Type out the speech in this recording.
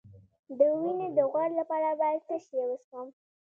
د وینې د غوړ لپاره باید څه شی وڅښم؟